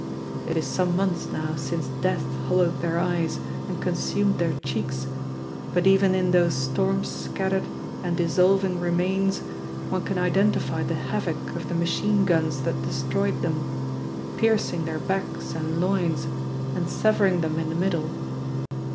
It is some months now since death hollowed their eyes and consumed their cheeks, but even in those storm scattered and dissolving remains one can identify the havoc of the machine guns that destroyed them, piercing their backs and loins and severing them in the middle.